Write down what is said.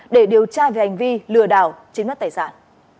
để điều tra về hành vi lừa đảo chiếm đất tài sản